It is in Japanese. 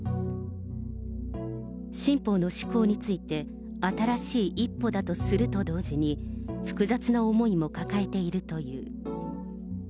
新法の施行について、新しい一歩だとすると同時に、複雑な思いも抱えているという。